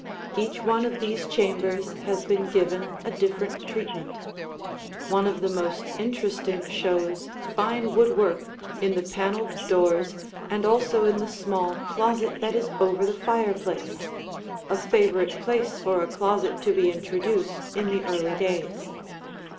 Each one of these chambers has been given a different treatment. One of the most interesting shows fine woodwork in the paneled doors and also in the small closet that is over the fireplace, a favorite place for a closet to be introduced in the early days.